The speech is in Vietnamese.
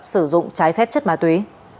sử dụng trái phép chất ma túy